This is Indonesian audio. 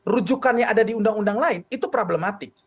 rujukan yang ada di undang undang lain itu problematik